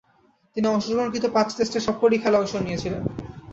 তিনি অংশগ্রহণকৃত পাঁচ টেস্টের সবকটি খেলায় অংশ নিয়েছিলেন।